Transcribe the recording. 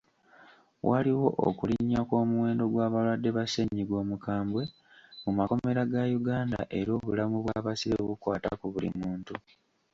Waliwo okulinnya kw'omuwendo gw'abalwadde ba ssennyiga omukambwe mu makomera ga Uganda era obulamu bw'abasibe bukwata ku buli muntu.